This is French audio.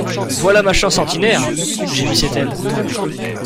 Voilà ma chance ordinaire ! gémissait-elle.